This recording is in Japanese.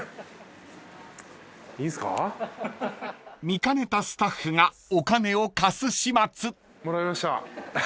［見かねたスタッフがお金を貸す始末］もらいました。